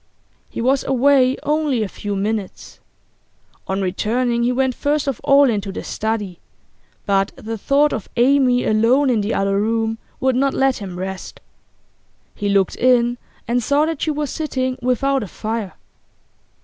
He was away only a few minutes. On returning he went first of all into the study, but the thought of Amy alone in the other room would not let him rest. He looked in and saw that she was sitting without a fire.